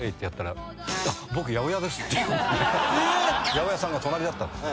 「八百屋さんが隣だったんです。